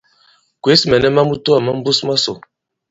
Kwěs mɛ̀nɛ ma mutoà ma mbus masò.